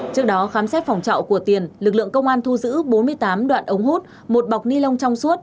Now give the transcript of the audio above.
trước đó khám xét phòng trọ của tiền lực lượng công an thu giữ bốn mươi tám đoạn ống hút một bọc ni lông trong suốt